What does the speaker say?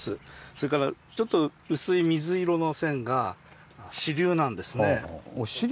それからちょっと薄い水色の線が支流なんですね。